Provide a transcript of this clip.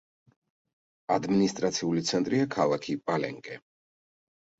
ადმინისტრაციული ცენტრია ქალაქი პალენკე.